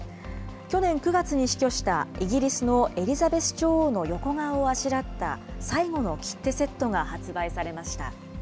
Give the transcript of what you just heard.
去年９月に死去した、イギリスのエリザベス女王の横顔をあしらった最後の切手セットが発売されました。